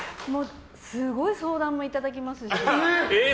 すごい相談もいただきます。